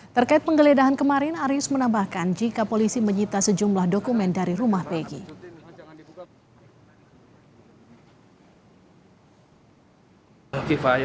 terkait penggeledahan kemarin arius menambahkan jika polisi menyita sejumlah dokumen dari rumah begi